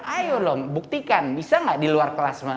ayo dong buktikan bisa nggak di luar kelas mana